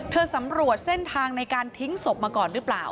สำรวจเส้นทางในการทิ้งศพมาก่อนหรือเปล่า